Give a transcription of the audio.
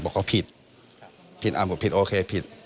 บอกว่าผิดผิดบอกผิดโอเคผิด